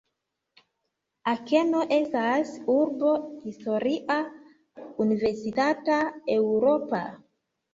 Akeno estas urbo historia, universitata, eŭropa.